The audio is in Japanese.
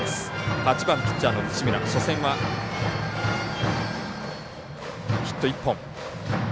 ８番ピッチャーの西村初戦はヒット１本。